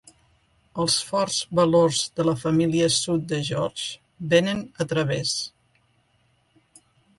Els forts valors de la família sud de George vénen a través.